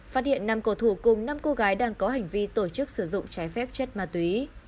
phát hiện năm cầu thủ cùng năm cô gái đang có hành vi tổ chức sử dụng trái phép chất ma túy